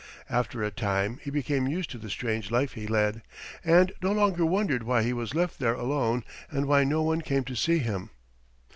After a time he became used to the strange life he led, and no longer wondered why he was left there alone and why no one came to seek him.